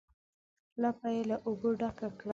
لپه یې له اوبو ډکه کړه.